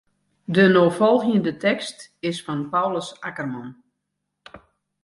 De no folgjende tekst is fan Paulus Akkerman.